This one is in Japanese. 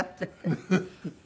フフフフ。